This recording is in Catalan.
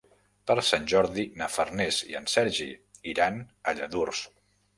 Per Sant Jordi na Farners i en Sergi iran a Lladurs.